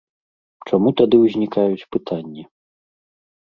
Чаму тады ўзнікаюць пытанні?